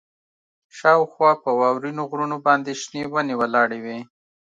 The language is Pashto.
شاوخوا په واورینو غرونو باندې شنې ونې ولاړې وې